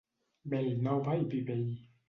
Mel nova i vi vell.